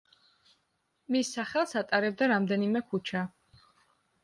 მის სახელს ატარებდა რამდენიმე ქუჩა.